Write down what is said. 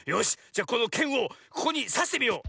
じゃこのケンをここにさしてみよう。